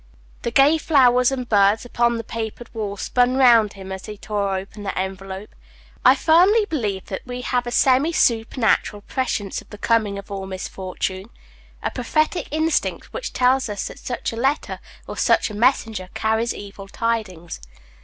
The gay flowers and birds upon the papered walls spun round him as he tore open the envelope. I firmly believe that we have a semi supernatural prescience of the coming of all misfortune; a prophetic instinct, which tells us that such a letter, or such a messenger, carries evil tidings.